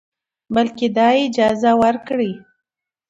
بلکې دا اجازه ورکړئ